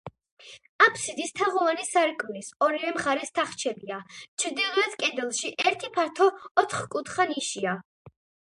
აფსიდის თაღოვანი სარკმლის ორივე მხარეს თახჩებია, ჩრდილოეთ კედელში ერთი ფართო ოთხკუთხა ნიშია.